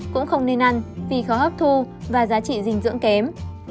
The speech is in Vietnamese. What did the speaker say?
cũng không nên ăn vì khó hấp thu và giá trị dinh dưỡng kém